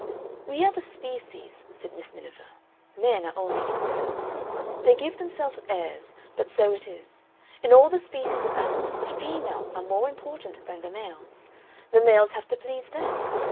"We are the species," said Miss Miniver, "men are only incidents. They give themselves airs, but so it is. In all the species of animals the females are more important than the males; the males have to please them.